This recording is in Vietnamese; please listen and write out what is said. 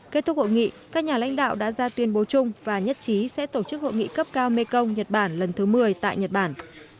kết thúc hội nghị các nhà lãnh đạo đã ra tuyên bố chung và nhất trí sẽ tổ chức hội nghị cấp cao mekong nhật bản lần thứ một mươi tại nhật bản